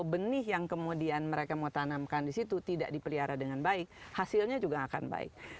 benih yang kemudian mereka mau tanamkan di situ tidak dipelihara dengan baik hasilnya juga akan baik